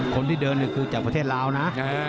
คนที่เดินคือจากประเทศลาวนะ